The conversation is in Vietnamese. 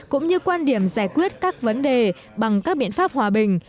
cũng như quan điểm giải quyết các vấn đề bằng các biện pháp hòa bình